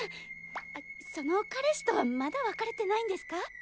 あその彼氏とはまだ別れてないんですか？